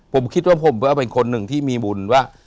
ผมคิดว่าผมก็เป็นคนหนึ่งที่มีบุญว่า